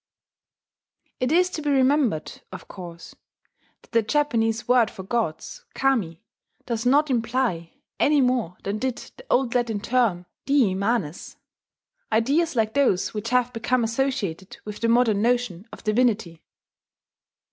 It is to be remembered, of course, that the Japanese word for gods, Kami, does not imply, any more than did the old Latin term, dii manes, ideas like those which have become associated with the modern notion of divinity.